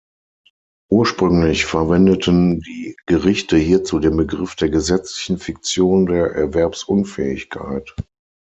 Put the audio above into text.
Ursprünglich verwendeten die Gerichte hierzu den Begriff der „gesetzlichen Fiktion der Erwerbsunfähigkeit“.